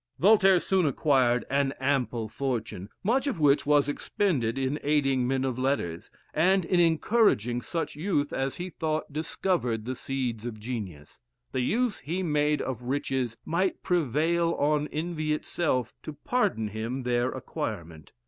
Voltaire soon acquired an ample fortune, much of which was expended in aiding men of letters, and in encouraging such youth as he thought discovered the seeds of genius. The use he made of riches might prevail on envy itself to pardon him their acquirement.